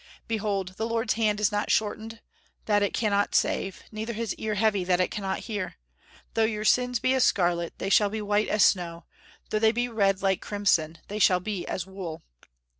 Behold, the Lord's hand is not shortened that it cannot save; neither his ear heavy that it cannot hear...Though your sins be as scarlet, they shall be white as snow; though they be red like crimson, they shall be as wool."